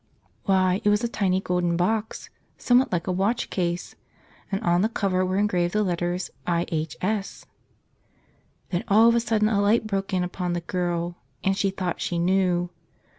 Why, it was a tiny golden box, somewhat like a watch case. And on the cover were engraved the letters IHS! Then all of a sudden a light broke in upon the girl — and she thought she knew.